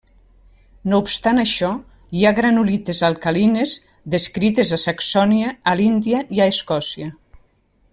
No obstant això, hi ha granulites alcalines, descrites a Saxònia, a l'Índia i a Escòcia.